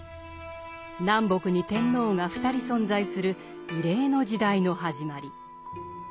南北に天皇が２人存在する異例の時代の始まり。